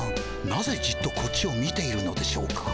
なぜじっとこっちを見ているのでしょうか？